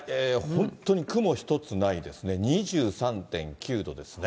本当に雲一つないですね。